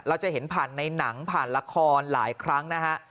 เราจะเห็นผ่านในหนังผ่านละครหลายครั้งนะฮะ